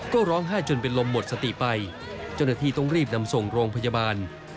ก็ร้องไห้จนเป็นลมหมดสติไปเจ้าหน้าที่ต้องรีบนำส่งโรงพยาบาล